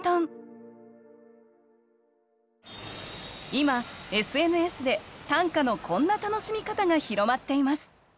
今ＳＮＳで短歌のこんな楽しみ方が広まっています。